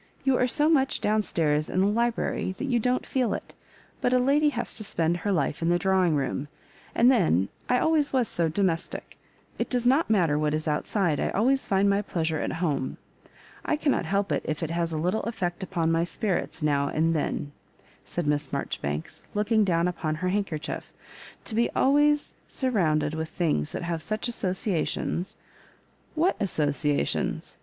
You are .80 much down stairs in the library that you don't feel it ; but a lady has to spend her life in the drawing room — and then I always was so domes tic. It does not matter what is outside, I always find my pleasure at home. I cannot help if it has a little effect dn my spirits now and then,^ said Miss Marjoribanks, looking down upon her handkerchief, *'to be always sur rounded with things that have such associa tions " "What associations?"